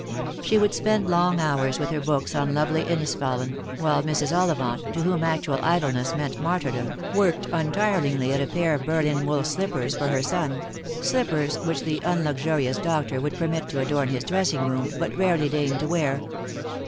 She would spend long hours with her books on lovely Inisfallen, while Mrs. Olli vant, to whom actual idleness meant martyrdom, worked un tiringly at a pair of Berlin wool slippers for her son — slippers which the unluxurious doctor would permit to adorn his dressing room, but rarely deign, to wear.